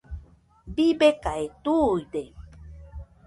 Bibekae tuide.